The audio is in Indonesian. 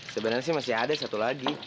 sebenarnya sih masih ada satu lagi